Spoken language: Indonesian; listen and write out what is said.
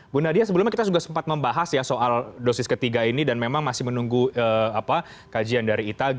bu nadia sebelumnya kita juga sempat membahas ya soal dosis ketiga ini dan memang masih menunggu kajian dari ita